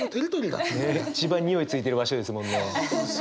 一番匂いついてる場所ですもんね。